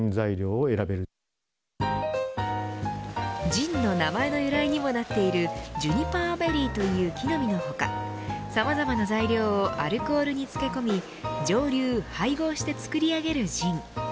ジンの名前の由来にもなっているジュニパーベリーという木の実の他さまざまな材料をアルコールに漬け込み蒸留、配合して作り上げるジン。